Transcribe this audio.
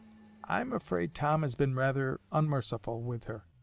I'm afraid Tom has been rayther unmerciful, with her.